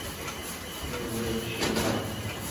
因为我也吃不下了